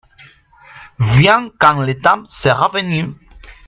viens quand le temps sera venu.